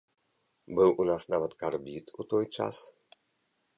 Быў у нас нават карбід у той час.